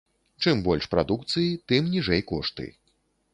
Чым больш прадукцыі, тым ніжэй кошты.